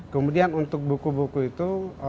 kemudian untuk buku buku itu